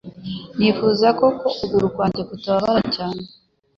Nifuzaga ko ukuguru kwanjye kutababara cyane